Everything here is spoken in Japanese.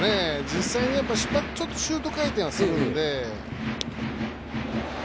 実際にちょっとシュート回転はするので。